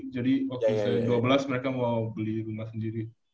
jadi waktu saya dua belas mereka mau beli rumah sendiri